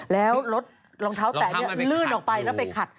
แล้วรถรองเท้าแตะลื่นออกไปแล้วไปขัด